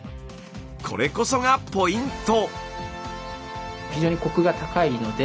これこそがポイント。